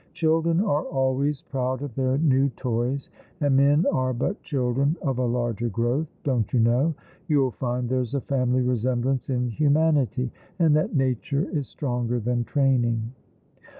Children are always proud of their new toys, and men are but children of a larger growth, don't you know. You'll find there's a fiimily resemblance in humanity, and that nature is stronger than training."